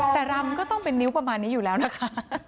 แต่รำก็ต้องเป็นนิ้วประมาณนี้อยู่แล้วนะคะ